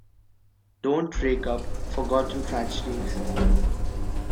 Don't rake up forgotten tragedies.